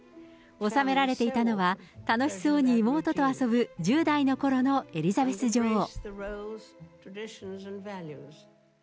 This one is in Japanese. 収められていたのは、楽しそうに妹と遊ぶ、１０代のころのエリザベス女王。